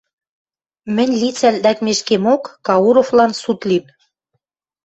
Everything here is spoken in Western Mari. Мӹнь лицӓлт лӓкмешкемок, Кауровлан суд лин.